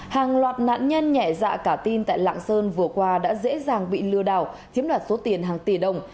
hàng loạt nạn nhân nhẹ dạ cả tin tại lạng sơn vừa qua đã dễ dàng bị lừa đảo chiếm đoạt số tiền hàng tỷ đồng